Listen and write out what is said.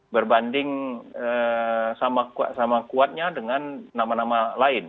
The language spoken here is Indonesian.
berbanding sama kuatnya dengan nama nama lain